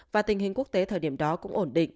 và tình hình quốc tế thời điểm đó cũng ổn định